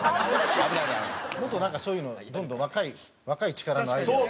もっとなんかそういうのどんどん若い力のアイデアを。